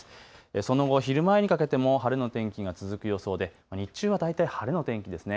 その後、昼前にかけても晴れの天気が続く予想で日中は大体晴れの天気ですね。